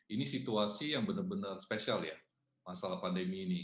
ini situasi yang benar benar spesial ya masalah pandemi ini